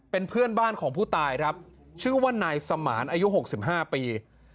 เป็นเพื่อนบ้านของผู้ตายครับชื่อว่านายสมานอายุ๖๕ปี